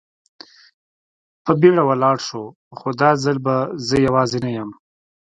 په بېړه ولاړ شو، خو دا ځل به زه یوازې نه یم.